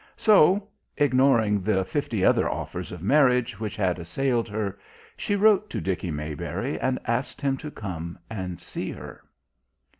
So, ignoring the fifty other offers of marriage which had assailed her, she wrote to Dickie Maybury and asked him to come and see her.